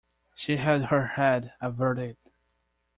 She held her head averted.